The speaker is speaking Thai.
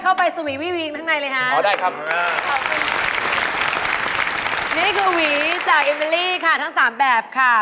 เข้าไปซูมีวี่วิงทั้งในเลยฮะอ๋อได้ครับขอบคุณค่ะนี่คือหวีจากเอเมลี่ค่ะทั้ง๓แบบค่ะ